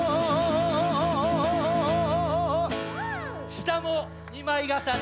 したも２まいがさね。